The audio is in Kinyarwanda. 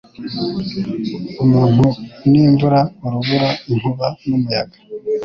Umuntu n’imvura, urubura, inkuba n’umuyaga